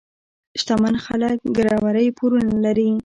شتمن خلک ګروۍ پورونه لري.